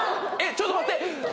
ちょっと待って！